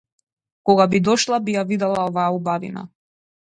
Кога би дошла би ја видела оваа убавина.